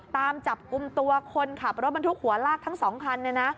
ตามจับกลุ่มตัวคนขับรถบรรทุกหัวลากทั้ง๒คัน